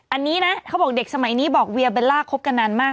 อันนี้นะเขาบอกเด็กสมัยนี้บอกเวียเบลล่าคบกันนานมาก